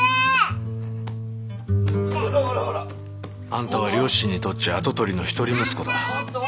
あんたは両親にとっちゃ跡取りの一人息子だ。